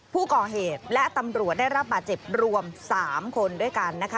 ผู้ก่อเหตุและตำรวจได้รับบาดเจ็บรวม๓คนด้วยกันนะคะ